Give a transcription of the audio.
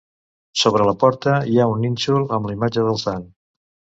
Sobre la porta hi ha un nínxol amb la imatge del sant.